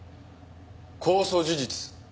公訴事実。